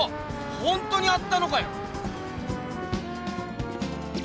ほんとにあったのかよ！